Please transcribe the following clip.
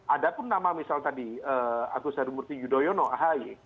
ada pun nama misal tadi agus harimurti yudhoyono ahy